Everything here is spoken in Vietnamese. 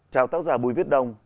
chào tác giả bùi viết đồng